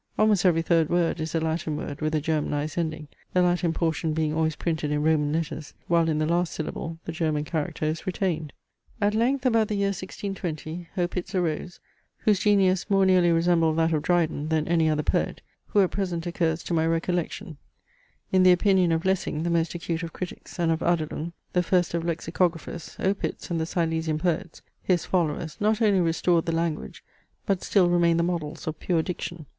Almost every third word is a Latin word with a Germanized ending, the Latin portion being always printed in Roman letters, while in the last syllable the German character is retained. At length, about the year 1620, Opitz arose, whose genius more nearly resembled that of Dryden than any other poet, who at present occurs to my recollection. In the opinion of Lessing, the most acute of critics, and of Adelung, the first of Lexicographers, Opitz, and the Silesian poets, his followers, not only restored the language, but still remain the models of pure diction.